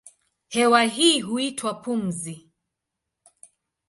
Hewa hii huitwa pumzi.